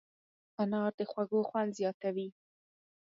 انار د خوړو خوند زیاتوي.